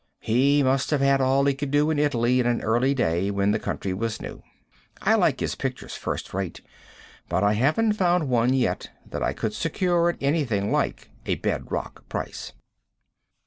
He must have had all he could do in Italy in an early day, when the country was new. I like his pictures first rate, but I haven't found one yet that I could secure at anything like a bed rock price.